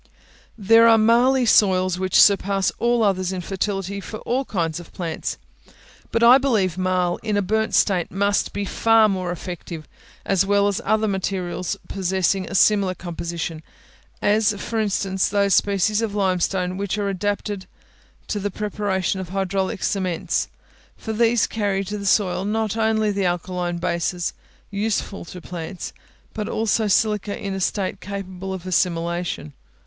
There are marly soils which surpass all others in fertility for all kinds of plants; but I believe marl in a burnt state must be far more effective, as well as other materials possessing a similar composition; as, for instance, those species of limestone which are adapted to the preparation of hydraulic cements, for these carry to the soil not only the alkaline bases useful to plants, but also silica in a state capable of assimilation.